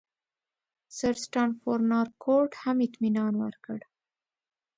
سرسټافورنارتکوټ هم اطمینان ورکړ.